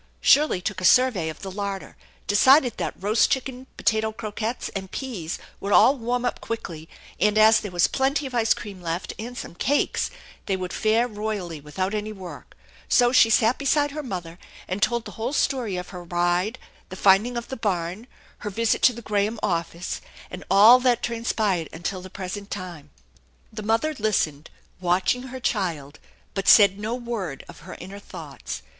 Shirley took a survey of the larder, decided that roast chicken, potato croquettes, and peas would all warm up quickly, and, as there was plenty of ice cream left and some cakes, they would fare royally without any work; so she sat 144 THE ENCHANTED BARN beside her mother and told the whole story of her ride, the finding of the barn, her visit to the Graham office, and all that transpired until the present time. The mother listened, watching her child, but said no wore of her inner thoughts.